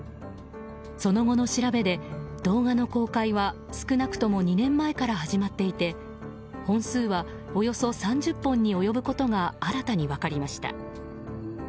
その後の調べで、動画の公開は少なくとも２年前から始まっていて本数は、およそ３０本に及ぶことが新たに分かりました。